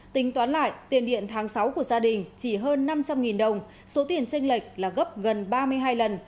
tính toán lại tiền điện tháng sáu của gia đình chỉ hơn năm trăm linh đồng số tiền tranh lệch là gấp gần ba mươi hai lần